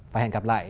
và hẹn gặp lại